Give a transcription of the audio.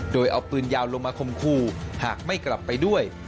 โดยเอาปืนยาวลงมาคมคู่หากไม่กลับไปด้วย